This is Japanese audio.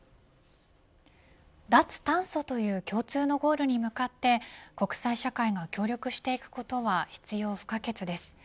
脱炭素という共通のゴールに向かって国際社会が協力していくことは必要不可欠です。